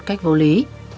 cách vô lý